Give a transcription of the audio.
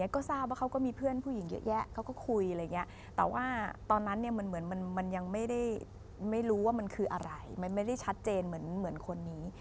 ก็ทราบว่าเขาก็มีเพื่อนผู้หญิงเยอะแยะเขาก็คุยแต่ว่าตอนนั้นมันยังไม่รู้ว่ามันคืออะไรมันไม่ได้ชัดเจนเหมือนคนนี้